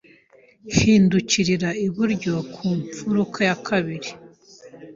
Hindukirira iburyo ku mfuruka ya kabiri.